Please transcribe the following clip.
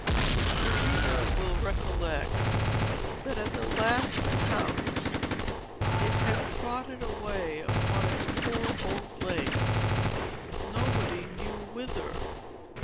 The reader will recollect, that at the last accounts, it had trotted away upon its poor old legs, nobody knew whither.